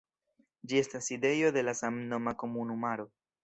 Ĝi estas sidejo de la samnoma komunumaro.